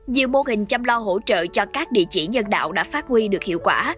nhiều mô hình chăm lo hỗ trợ cho các địa chỉ nhân đạo đã phát huy được hiệu quả